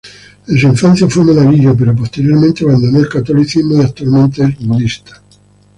En su infancia fue monaguillo pero posteriormente abandonó el catolicismo y actualmente es budista.